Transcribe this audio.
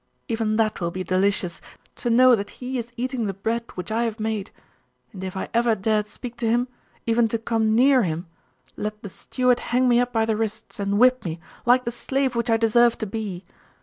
Even that will be delicious, to know that he is eating the bread which I have made! And if I ever dare speak to him even to come near hint let the steward hang me up by the wrists, and whip me, like the slave which I deserve to be!...